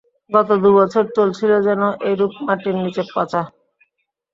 গত দু-বছর চলছিল যেন এইরূপ মাটির নীচে পচা।